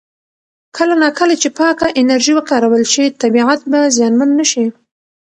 کله نا کله چې پاکه انرژي وکارول شي، طبیعت به زیانمن نه شي.